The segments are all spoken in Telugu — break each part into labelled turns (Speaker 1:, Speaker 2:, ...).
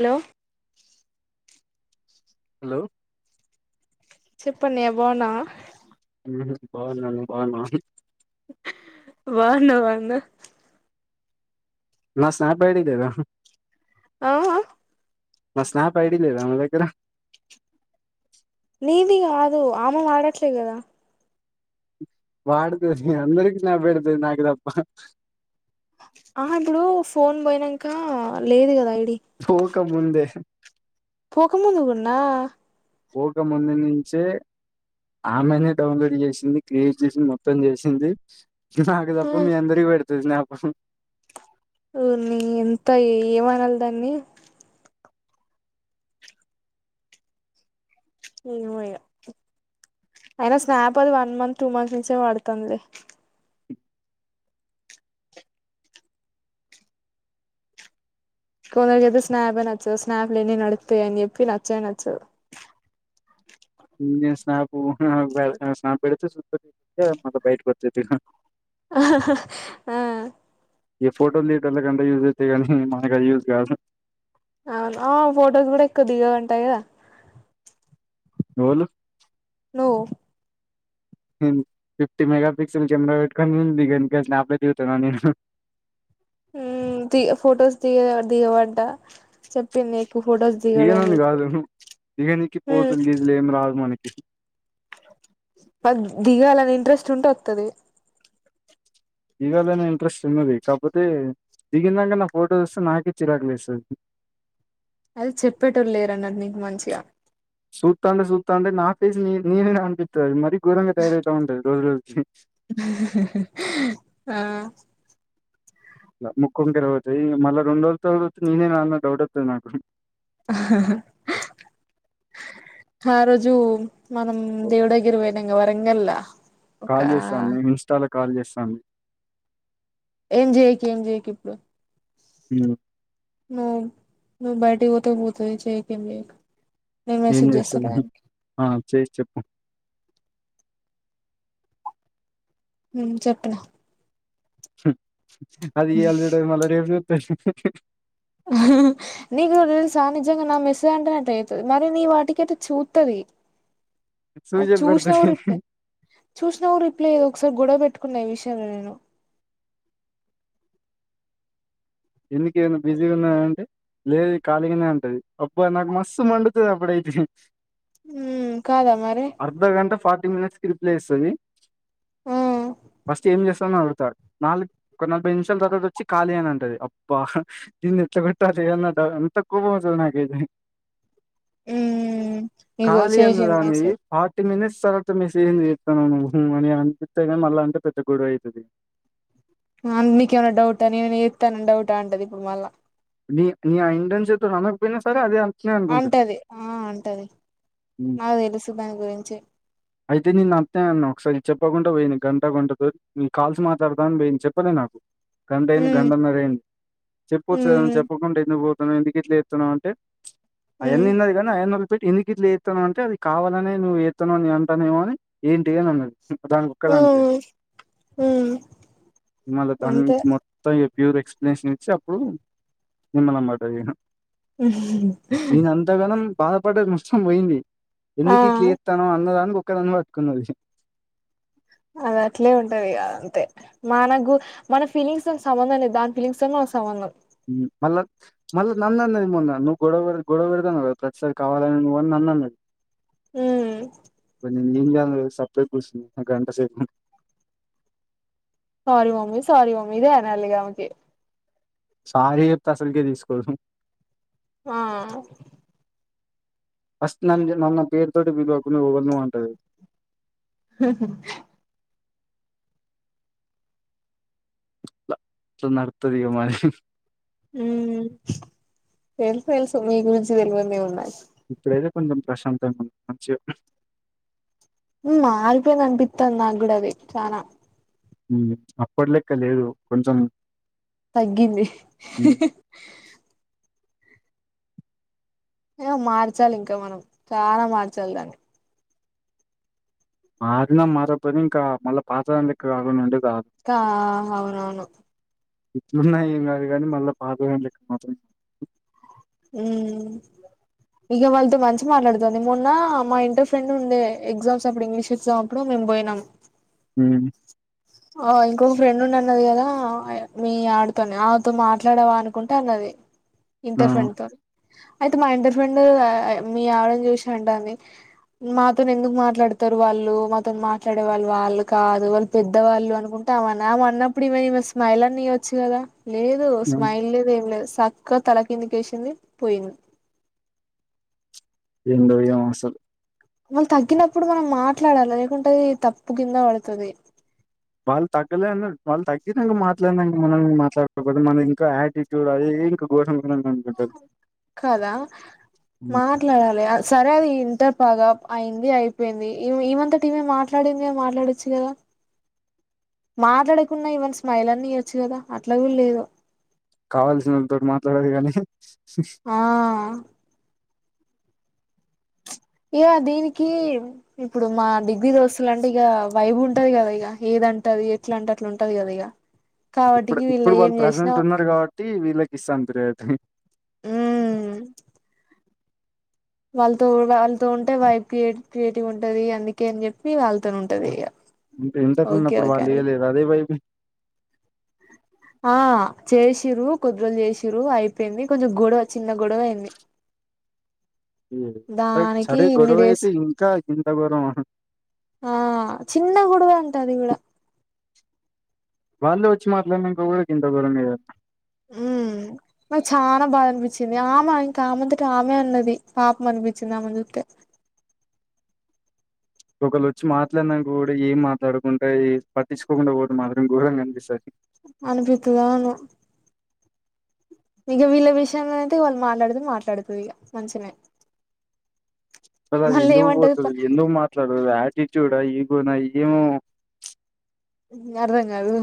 Speaker 1: హలో
Speaker 2: హలో
Speaker 1: చెప్పు అన్నయ్య బాగున్నావా
Speaker 2: బాగున్నాను నువ్ బాగున్నావా
Speaker 1: వాన వాన
Speaker 2: నా స్నాప్ ఐడి లేదా
Speaker 1: ఆహా
Speaker 2: నా స్నాప్ ఐడి లేదా నీ దగ్గర
Speaker 1: ఇది కాదు ఆమె వాడట్లేదు కదా
Speaker 2: వాడతుది అందరికి స్నాప్ పెడతాది నాకు తప్ప
Speaker 1: ఆహా ఇప్పుడు ఫోన్ పోయినాక లేదు కదా
Speaker 2: పోక ముందే
Speaker 1: పోక ముందుకున్నా
Speaker 2: పోక ముందు నుంచే ఆమెనే డౌన్లోడ్ చేసింది క్రియేట్ చేసింది మొత్తం చేసింది నాకు తప్ప మీ అందరిక పెడుతుది స్నాప్
Speaker 1: ఓరిని ఎంత ఏమనాలి దాన్ని ఏమో ఇక అయినా స్నాప్ అది వన్ మంత్ టూ మంత్ నుంచే వాడుతుంది కొందరికితే స్నాపే నచ్చవు స్నాప్లుని నడుతా అని చెప్పి నచ్చ నచ్చవు
Speaker 2: నేను స్నాపు స్నాప్ పెడతే చూడకుండా మళ్లీ బయటికి వచ్చేస్తది
Speaker 1: ఆ ఆ
Speaker 2: యూజ అయితే నీ మనకి యూస్ కాదు
Speaker 1: అవును ఆ ఫొటోస్ కూడా ఎక్కువ దిగ ఉంటాయి కదా
Speaker 2: ఎవలు
Speaker 1: hello
Speaker 2: fifty mega pixel camera పెట్టుకొని ఇంకా స్నాప్ లో దిగుతారా మీరు
Speaker 1: ఉమ్ ది ఫొటోస్ దియ దియవంట చెప్పింది ఫొటోస్ దిగడు అని
Speaker 2: దిగనాన్ని
Speaker 1: చెప్పి
Speaker 2: కాదు దిగినికి ఫోజులు గేజులు ఏం రావు కృష్ణ
Speaker 1: మ దిగాలని ఇంట్రెస్ట్ ఉంటే వస్తుది
Speaker 2: దిగాలోనే ఇంట్రెస్ట్ ఉన్నది కాకపోతే దిగినాక నా ఫోటో వస్తే నాకే చిరాకులేస్తుంది
Speaker 1: అది చెప్పేటోళ్లు లేరన్నట్టు నీకు మంచిగా
Speaker 2: సూతాండే సూతాండే నా ఫేసి ననే పంపిత్తది అది మరి ఘోరంగా తయారవుత ఉండది రోజు రోజు
Speaker 1: ఆ
Speaker 2: ముక్కుకొంకర పోతది మల్లా రెండు రోజుల తర్వాత నేనే నా డౌట్ వస్తుంది నాకు
Speaker 1: ఆ రోజు మనం దేవుడాగిర పోయినాంగా వరంగల్లా ఒక
Speaker 2: కాల్ చేస్తాను ఇన్స్టాలో కాల్ చేస్తాను
Speaker 1: ఏం చేయకు ఏం చేయకు ఇప్పుడు
Speaker 2: ఉ
Speaker 1: ను నువ్వు బయటికీ పోతే పోతది చెయ్ నేను
Speaker 2: ఏం
Speaker 1: మెసేజ్ చేస్తాలే
Speaker 2: చేస్తదని ఆ చేసి చెప్పు
Speaker 1: ఉమ్ చెప్పిన
Speaker 2: అది ఇయ్యాల చూడదు రేపు చూస్తది
Speaker 1: నీకు ఒక్కటి తెలుసా నిజంగా నా మెస్ అట్లా చేస్తది మరి నీ వాటిక అయితే చూతది అది
Speaker 2: సూచనలు
Speaker 1: చూసినా
Speaker 2: పెడతది
Speaker 1: రిప్లై చూసినా రిప్లై ఏదో ఒకసారి గొడవ పెట్టుకు కూన్నే విషయాంల నేను
Speaker 2: ఎందుకేమన్నా బిజీ ఉన్నాదా అంటే లేదు ఖాలిగానే అంటది అబ్బా నాకు మస్తు మండుతది అప్పుడయితే
Speaker 1: ఉం కాదా మరి
Speaker 2: రిప్లె ఇస్తది
Speaker 1: ఆ
Speaker 2: ఫస్ట్ ఏం చేస్ అడతాడు నాలుగు ఒక నలభై నిమిషాల తర్వాత వచ్చి ఖాలి అనంటది బ్బా దీన్ని ఎట్లా కొట్టాలే అన్న డ అంత కోపం అస్తది నాకైతే
Speaker 1: ఉమ్ ఇగో
Speaker 2: కాలి
Speaker 1: చేసింది
Speaker 2: అన్నదానివి
Speaker 1: మెసేజ్
Speaker 2: ఫార్టీ మినట్స్ తర్వాత మెస్సేజ్ ఎందుకు చేతనావ్ నువు అని అనిపిత్తది గనీ మళ్ళా అంటే పెద్ద గొడవ అయితది
Speaker 1: మ మమ్మి నీకేమైనా డౌటా నేనె ఎతనని డౌటా అంటది ఇప్పుడు మళ్ళా
Speaker 2: నీ ని ఆ ఇంటెన్షన్ తోన్ అనకపోయినా సరే అదే
Speaker 1: అంటది ఆ అంటది
Speaker 2: హ్మ్.
Speaker 1: నాకు తెలుసు దాని గురించి
Speaker 2: అయితే నేను అట్నే అన్న ఒకసారి చెప్పకుంట పోయింది గంట గంటతో నేన్ కాల్స్ మాట్లాడుత అని బోయింది చెప్పలే నాకు గంటయింది
Speaker 1: ఉమ్
Speaker 2: గంటనరైంది చెప్పచ్చుగా
Speaker 1: ఉమ్
Speaker 2: చెప్పకుంట ఎందుకు ఎందుకు ఇట్ల చేతున్నావ్ అంటే
Speaker 1: ఉమ్
Speaker 2: అయన్నిన్నది గని అయన్న ట్టి ఎందుకు ఇట్లా చేత్తన్నావ్ అంటే అది కావాలనె నువ్వు ఎతనావ్ నేన్ అంటానేమో అని ఏంటి అని అన్నది దానికోక్కదానికే
Speaker 1: ఉమ్ ఉమ్
Speaker 2: మళ దాన్ని
Speaker 1: అంతే
Speaker 2: మొత్త ఇగ ప్యూర్ ఎక్స్ప్లనేషన్ ఇచ్చి అప్పుడు నిమ్మలం పడ్డదిగా బాధపడ్డది మొత్తం పోయింది
Speaker 1: ఆ
Speaker 2: ఎందుకు ఇట్ల ఎత్తనావ్ అన్నదానికొ క్క దాన్ని పట్కున్నది
Speaker 1: అద అట్లే ఉంటది ఇగ అది అంతే మనకు మన ఫీలింగ్స్ తోని సంబంధం లేదు దాని ఫీలింగ్స్తొన్ మన సమందం
Speaker 2: మళ్ళ నన్నన్నది మొన్న నువ్వు గొడవ పె గొడవ పెడదన్న ప్రతిసారి కావాలని నువ్వు నన్నన్నది
Speaker 1: ఉమ్
Speaker 2: [unintelligible] సప్పుడేక కూసున్న అ గంటసేపు
Speaker 1: సారీ మమ్మీ సారీ మమ్మీ ఇదే అనాలిగా ఊకె
Speaker 2: సారీ చెప్తే అసలుకె తీసుకోదు
Speaker 1: ఆ
Speaker 2: ఫస్ట్ [unintelligible] నన్న పేర్తోటి పిలువకు నుఓవలనువ్వు అంటది
Speaker 1: ఆ
Speaker 2: అట్ల నాడ్త్తది ఇగ మాది
Speaker 1: ఉమ్ తెల్స్ తెలుసు మీ గురించి తెలువందేమున్నాది
Speaker 2: ఇప్పుడైతే కొంచెం ప్రశాంతంగా ఉ [unintelligible]
Speaker 1: [unintelligible] బిత్తంద నాగుడది చానా
Speaker 2: ఉమ్ అప్పట్ లెక్క లేదు కొంచెం
Speaker 1: తగ్గింది
Speaker 2: హ్మ్.
Speaker 1: ఏమో మార్చాలి ఇంకా మనం చాలా మార్చాలి దాన్ని
Speaker 2: మారిన మారపోయినా ఇంకా మళ్ళ పాత దాని లెక్క కాకుంటే
Speaker 1: కా అవునవును
Speaker 2: ఉన్నా ఏం కాదు కానీ మళ్ళా పాత దానిలెక్క మాత్రం
Speaker 1: ఉ ఇగ వాళ్ళతో మంచిగ మాట్లాడుతది మొన్న మా ఇంటర్ ఫ్రెండ్ ఉండే ఎగ్జామ్స్ అప్పుడు ఇంగ్లీష్ ఎగ్జామ్ అప్పుడు బోయినాం
Speaker 2: ఉ
Speaker 1: ఆ ఇంకొక ఫ్రెండ్ ఉండి అన్నది కదా మీ ఆడితోనే ఆవిడతో మాట్లాడవా అనుకుంట అన్నది
Speaker 2: ఆ!
Speaker 1: ఇంటర్ ఫ్రెండ్ తోని అయితే మా ఇంటర్ ఫ్రెండ్ మీ ఆవిడను చూసి అంటాంది మాతోని ఎందుకు మాట్లాడుతారు వాళ్ళు మాతోని మాట్లాడే వాళ్ళు వాళ్ళు కాదు వాళ్ళు పె ద్దవాళ్ళు అనుకుంటే అమన్నా అన్నప్పుడు ఈమే ఈమె స్మైల్ అన్న ఇయ్యొచ్చు కదా లేదు
Speaker 2: హ్మ్.
Speaker 1: స్మైల్ లేదు ఏం లేదు స క్క తల కిందికేసింది పోయింది
Speaker 2: ఎందో ఏమో అసల్
Speaker 1: మనం తగ్గినప్పుడు మనం మాట్లాడాలి లేకుంటే అది తప్పు కింద పడుతది
Speaker 2: వాళ్ళు తగ్గలే వాళ్ళు తగ్గినంక మాట్లాడినంక మనం మాట్లాడుకోకుడదు మనం ఇంకా యాటిట్యూడ్ అది ది ఇంకా గోరం
Speaker 1: కదా
Speaker 2: హ్మ్.
Speaker 1: మాట్లాడాలే సరే అది ఇంత పగా అయింది అయిపోయింది ఈ ఈమంతటిమే మాట్లాడిందిగ మాట్లాడొచ్చు కదా మాట్లాడకున్నా ఈవేన్ స్మైల్ అన్న ఇయ్వొచ్చు కదా అట్లా కుడా లేదు
Speaker 2: కావల్సిన వాళ్ళతోటి మాట్లాడరు కానీ
Speaker 1: ఆ ఇగ దీనికి ఇప్పుడు మా డిగ్రీ దోస్తులంటే ఇగ వైబ్ ఉంటది కదా ఇగ ఏద టంటది ఎట్లా అంటే అట్లుంటది కదా ఇగ
Speaker 2: ఇప్పుడు ఇప్పుడు వాళ్ళు ప్రజెంట్ ఉన్నారు కాబట్టి వీళ్ళకి ఇస్తాన్ ప్రేయరిటీ
Speaker 1: ఉమ్ వాళ్ళతో వాళ్ళతో ఉంటే వైపు క్రిే క్రియేటివ్ ఉంటంది అందుకే అని చెప్పి వాళ్ళతోనే ఉంటది ఇగ
Speaker 2: ఇ ఇంటర్ ఉన్నప్పుడు వాళ్ళు ఇయలేద అదే వైబ్
Speaker 1: ఆ చేసిరు కొంద్ధి రోలు చేసిరు అయిపోయింది కొంచెం గొడవ చిన్న గొడవ అయింది
Speaker 2: మ్
Speaker 1: దానికి
Speaker 2: సరే
Speaker 1: ఇన్ని డేస్
Speaker 2: గొడవయితే ఇంకా ఇంత గొరమ
Speaker 1: ఆ చిన్న గోడవే అంట అది కుడా
Speaker 2: వాళ్ళే వచ్చి మాట్లాడినంక కూడ గింత గోరంగా చేత్
Speaker 1: ఉమ్ నాకు చాలా బాగా అనిపించింది ఆమె ఇంకా ఆమే అంతటా ఆమె అన్నది పాపం అనిపించింది ఆమే ను చూస్తే
Speaker 2: ఒకళ్రు వచ్చి మాట్లాడినంక కూడా ఏం మాట్లాడకుంటే పట్టించుకోకుండా పోతె మాత్రం ఘోరంగా అనిపిస్తది
Speaker 1: అనిపిత్తది అవును ఇగ వీళ్ళ విషయంలో అయితే వాళ్ళు మాట్లాడితే మాట్లాడుతది ఇగ మంచనే
Speaker 2: కాదు అది ఎందుకు పోతది ఎందుకు మాట్లాడదు ఆటిట్యూడ్ ఆ ఎం బోయినా ఏమో
Speaker 1: అర్ధం కాదు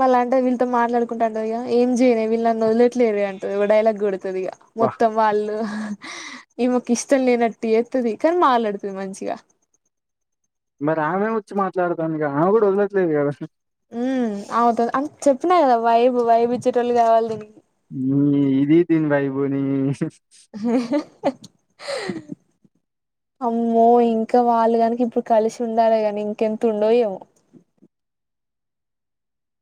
Speaker 1: మళ్ళ అంటే వీన్తో మాట్లాడుకుంట అంటది కద ఏం చేయనే వీళ్ళు నన్ను వదలట్లేదే అంటాది ఒక డైలాగ్ కోడ్ తది ఇగా
Speaker 2: అబ్బా
Speaker 1: మొత్తం వాళ్ళు ఈమే ఇష్టం లేనట్టు చేత్తది కానీ మాట్లాడుతది మంచిగా
Speaker 2: మరి ఆమె వచ్చి మాట్లాడ్తాన్దిగ ఆమె కూడా వదలట్లేదు గా
Speaker 1: మ్ ఆమెతోని అం చెప్పిన కదా వైబ్ వైబ్ ఇచ్చేటోళ్ళు కావాలి దీన్
Speaker 2: మ్ ఇదీ దీని వైబ్ ని
Speaker 1: లేహుహ... అమ్మో ఇంకా వాళ్ళుగనుక ఇప్పుడు కలిసి ఉండాలి గాని ఇంకెంత ఉండో ఏమో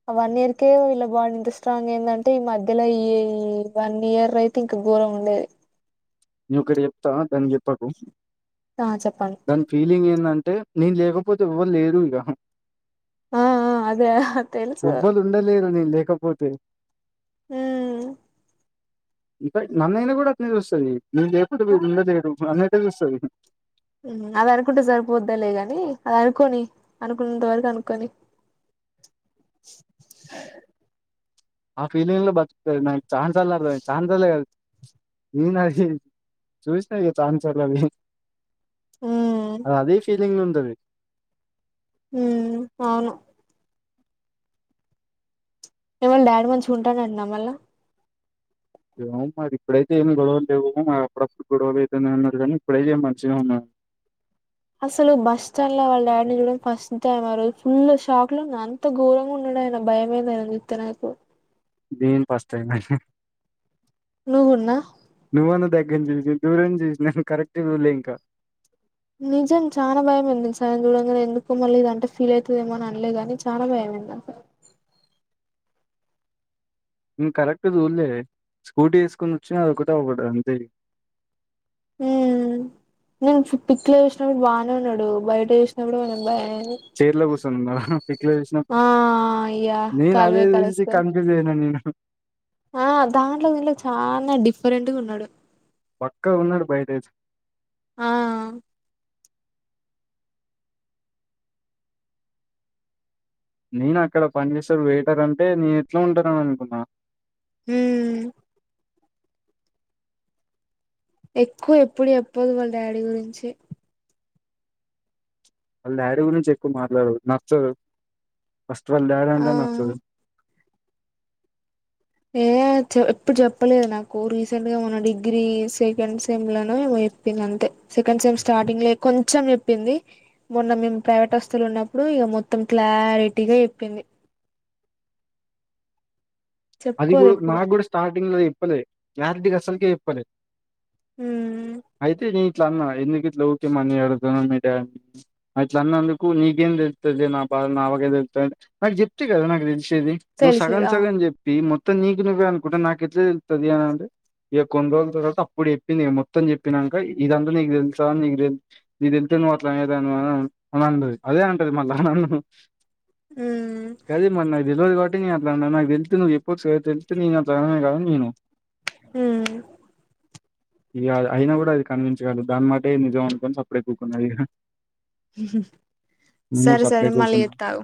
Speaker 1: ఆ వన్ ఇయర్కే వీళ్ళ బాండ్ ఇంత స్ట్రాంగ్ ఐందంటే ఈ మధ్యల ఈ వన్ ఇయర్ అయితే ఇంక దూరం ఉండేది
Speaker 2: నేను ఓక్కటి చెప్త దానికి చెప్పకు
Speaker 1: ఆ చెప్పండి
Speaker 2: దాని ఫీలింగ్ ఏందంటే నేను లేకపోతే ఎవ్వరు లేరు ఇగ
Speaker 1: ఆ ఆ అదే తెలుసు
Speaker 2: ఎవ్వలు ఉండలేరు నేన్ లేకపోతే
Speaker 1: ఆ
Speaker 2: ఇంక నన్నైనా కూడ అట్నే చూస్తది నీ లేేకుంటే వీడు ఉండలేడు అన్నట్టే చూస్తది
Speaker 1: అది అనుకుంటే సరిపోద్ద లే గాని అది అనుకోని అనుకున్నంత వరకు అనుకోని అ
Speaker 2: ఆ ఫీలింగ్ లో బతుకుతది నాకు ఛాన్స్లు చాన్స్ లే [unintelligible]
Speaker 1: ఉమ్
Speaker 2: అ అదే ఫీలింగ్ లో వుంటది
Speaker 1: హు అవును [unintelligible] మంచిగా ఉంటానంట నా మళ్ల
Speaker 2: ఏమో మరి ఇప్పుడైతే ఏం గొడవల్లెవలేగాని మా అడప్పుడు గొడవలు అయితేనే ఉన్నేటివి గానీ ఇప్పుడైతే మంచినే వున్నాడు
Speaker 1: అసలు బస్ స్టాండ్ లో వాళ్ళ డాడీని చూడం ఫస్ట్ ఆరోజు ఫుల్ షాక్ లో ఉన్న అంత ఘోరంగా ఉండ భయంమైదీ ఆయని చుతే నాకు
Speaker 2: నేను ఫస్ట్ టైమ్ ఏ
Speaker 1: నువ్వు కుడ్న
Speaker 2: నేన్ దూరం నుంచి చుసిన కరెక్ట్ చూడలే ఇంక
Speaker 1: నిజం చాన భయం అయ్యింది తెలుసా చూడంగానే ఎందుకో మళ్ళ ఇదంటే ఫీల్ అవుతుదేమో అనలేదుగాని చాన భయం [unintelligible]
Speaker 2: కరెక్ట్ చూలే స్కూటీ వేసుకొని వచ్చిన ఒకటేకటి అది అంతే
Speaker 1: ఊ నేను పిక్లో చూసినప్పుడు బానే ఉన్నాడే బయట చూసినప్పుడు కొంచం బ
Speaker 2: చైర్లో కూర్చున్నానా పిక్లో చూసినపుడు
Speaker 1: ఆ ఇగ
Speaker 2: నేను అదే
Speaker 1: కాలుమే
Speaker 2: చుసి
Speaker 1: కాలేసుకొని
Speaker 2: కన్ఫ్య్ స్ అయ్యాను ఉ హు
Speaker 1: ఆ దాంట్లో దీంట్లో చాల డిఫరెంట్గ ఉన్నాడు
Speaker 2: బక్కగ ఉన్నాడు బయటై తే
Speaker 1: ఆ
Speaker 2: నేను అక్కడ పని చేసే వెయిటర్ అంటే నేను ఎట్లో ఉంటాడని అనుకున్నా
Speaker 1: హు ఎక్కువ ఎప్పుడు చెప్పదు వాళ్ళ డాడీ గురించి
Speaker 2: వాళ్ళ డాడి గురించి ఎక్కువ మాట్లాడుదు నచ్చదు ఫస్ట్ వాళ్ళ డాడీ
Speaker 1: ఆ
Speaker 2: అంటే నచ్చదు
Speaker 1: ఏ ఎప్పుడు చెప్పలేదు నాకు రీసెంట్ గా మన డిగ్రీ సెకండ్ సెమ్ లోనో ఏమో చెప్పింది అంతే సెకండ్ సెమ్ స్టార్టింగ్ లో కొంచెం చెప్పింది మొన్న మేము ప్రైవేట్ హస్తులు ఉన్నప్పుడు ఇక మొత్తం క్లారిటీగా చెప్పింది
Speaker 2: [inaudible] అది
Speaker 1: చెప్పుకోదు
Speaker 2: కూడ
Speaker 1: ఎప్పుడు
Speaker 2: నాకు కూడ స్టార్టింగ్ లో చెప్పలే క్లారిటీ అసలుకే చెప్పలే
Speaker 1: ఉమ్
Speaker 2: అయితే నే ఇట్ల అన్న ఎందుకిట్ల ఓక్య మని అడుగుతావ్ [unintelligible] అట్ల అన్న అందుకు నీకేం తెలుతది [unintelligible] నా బాద నాకు చెప్తే కదా నాకు తెలిసేది నువ్వు సగం
Speaker 1: తెలిసేది అవును
Speaker 2: సగం చెప్ ఈ మొత్తం నీకు నువ్వే అనుకుంటే నాకు ఎట్ల తెలుతది అండి ఇక కొన్ని రోజుల తర్వాత అప్పుడు చెప్పింది ఇగ మొత్తం చెప్పినంక ఇదంతా నీకు తెలుసా నీకు నీ తె నీకు తెలిత్తే అంటే నువ్వు అట్ల అనే దానివ అని అంటది అదే అంటది మళ్ళా నన్ను
Speaker 1: ఉమ్
Speaker 2: గది మరి నాకు తెల్వదు కావట్టి అట్లాన్న నాకు తెలిస్తే నువ్వు చెప్ ప్పచ్చుగ తెలిస్తే నేను దానవే కాద నేను
Speaker 1: హ్మ్
Speaker 2: ఇగ అది అయినా గూడా అది కన్విన్స్ దాని నిజం మనుకొని సప్పుడేక కూకున్నది ఇగ నేను కూడా
Speaker 1: సరే సరే
Speaker 2: సప్పుడేక
Speaker 1: మళ్ళీ
Speaker 2: ఊకున్న
Speaker 1: ఎత్త ఆగు